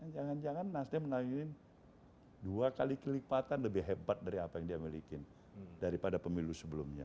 jangan jangan nasdem menanyakan dua kali kelipatan lebih hebat dari apa yang dia milikin daripada pemilu sebelumnya